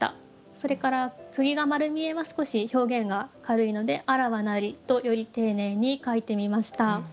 それから「釘がまる見え」は少し表現が軽いので「あらわなり」とより丁寧に描いてみました。